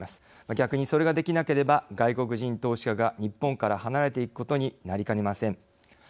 逆に、それができなければ外国人投資家が日本から離れていくことになりかねません。